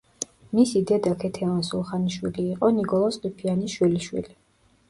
მისი დედა ქეთევან სულხანიშვილი იყო ნიკოლოზ ყიფიანის შვილიშვილი.